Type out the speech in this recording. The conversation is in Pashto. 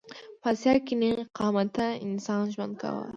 په اسیا کې نېغ قامته انسان ژوند کاوه.